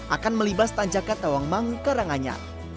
akan melibas tanjakan tawangmangu ke rangannya